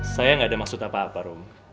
saya gak ada maksud apa apa rum